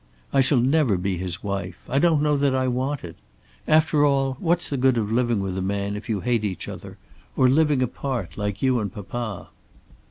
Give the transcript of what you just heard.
I shall never be his wife. I don't know that I want it. After all what's the good of living with a man if you hate each other, or living apart like you and papa?"